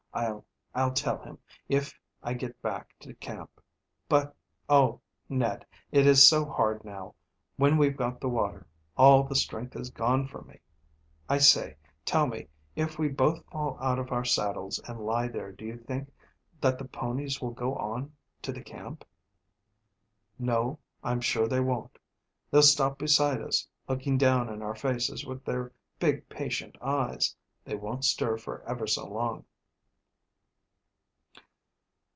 "I'll I'll tell him, if I get back to camp. But oh, Ned, it is so hard now, when we've got the water. All the strength has gone from me. I say, tell me, if we both fall out of our saddles and lie there, do you think that the ponies will go on to the camp?" "No; I'm sure they won't. They'll stop beside us, looking down in our faces with their big, patient eyes. They won't stir for ever so long."